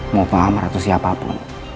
mau pengamarat siapapun